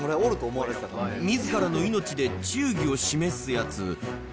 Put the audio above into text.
みずからの命で忠義を示すやつ。